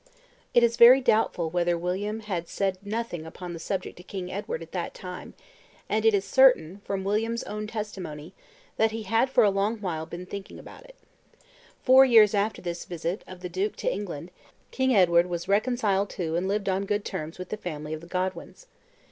It is very doubtful whether William had said nothing upon the subject to King Edward at that time; and it is certain, from William's own testimony, that he had for a long while been thinking about it. Four years after this visit of the duke to England, King Edward was reconciled to and lived on good terms with the family of the Godwins.